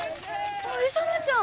勇ちゃん。